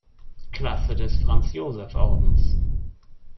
Klasse des Franz-Joseph-Ordens.